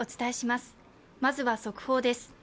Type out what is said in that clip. まずは速報です。